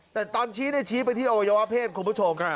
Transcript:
แต่ตอนชี้ชี้ไปที่อวัยวะเพศคุณผู้ชม